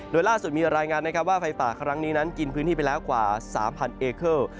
โดยล่าสุดมีรายงานนะครับว่าไฟป่าครั้งนี้นั้นกินพื้นที่ไปแล้วกว่า๓๐๐เอเคิล